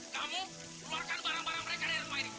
kamu keluarkan barang barang mereka di rumah ini